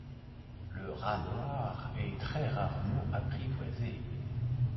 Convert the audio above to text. Le rat noir est très rarement apprivoisé.